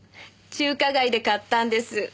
中華街で買ったんです。